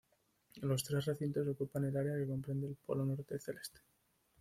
Los tres recintos ocupan el área que comprende el Polo norte celeste.